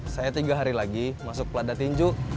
saya tiga hari lagi masuk plada tinju